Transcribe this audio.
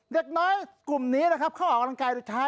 เด็กน้อยกลุ่มนี้นะครับเขาออกกำลังกายสุดท้าย